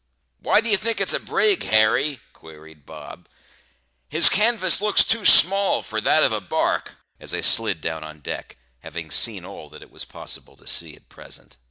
"Why d'ye think it's a brig, Harry?" queried Bob. "His canvas looks too small for that of a barque," replied I, as I slid down on deck, having seen all that it was possible to see at present.